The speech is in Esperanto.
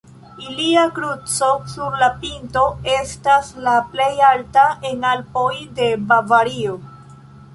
Ilia kruco sur la pinto estas la plej alta en Alpoj de Bavario.